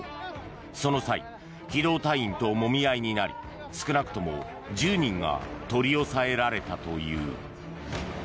その際機動隊員ともみ合いになり少なくとも１０人が取り押さえられたという。